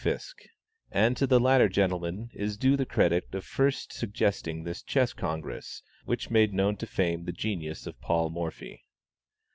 Fiske; and to the latter gentleman is due the credit of first suggesting this Chess Congress, which made known to fame the genius of Paul Morphy.